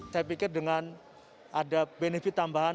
saya pikir dengan ada benefit tambahan